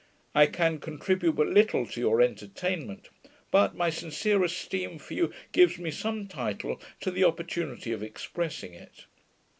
I can contribute but little to your entertainment; but, my sincere esteem for you gives me some tide to the opportunity of expressing it.